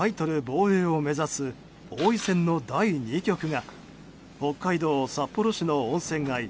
防衛を目指す王位戦の第２局が北海道札幌市の温泉街